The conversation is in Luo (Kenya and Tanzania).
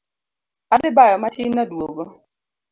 Adhi bayo matin aduogo